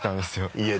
家で？